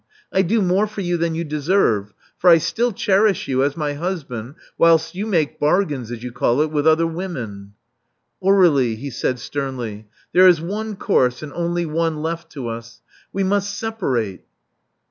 I do more for you than you deserve ; for I still cherish you as my husband, whilst you make bargains, as you call it, with other women. Aur61ie,*' he said, sternly: there is one course, and only one, left to us. We must separate."